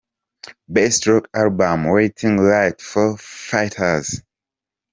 Best Rock Album - Waiting Light, Foo Fighters.